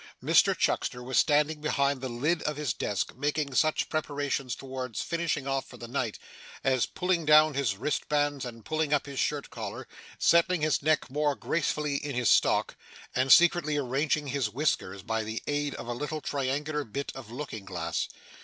Mr Chuckster was standing behind the lid of his desk, making such preparations towards finishing off for the night, as pulling down his wristbands and pulling up his shirt collar, settling his neck more gracefully in his stock, and secretly arranging his whiskers by the aid of a little triangular bit of looking glass.